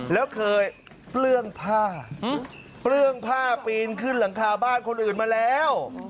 แล้วเคยเปลื้องผ้าเปลื้องผ้าปีนขึ้นหลังคาบ้านคนอื่นมาแล้ว